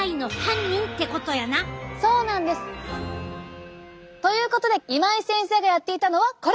そうなんです！ということで今井先生がやっていたのはこれ！